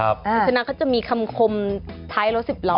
คุณชนะเขาจะมีคำคมท้ายรถสิบล้อ